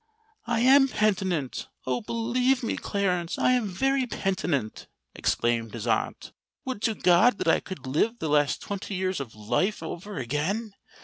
"I am penitent—oh! believe me, Clarence, I am very penitent!" exclaimed his aunt. "Would to God that I could live the last twenty years of my life over again!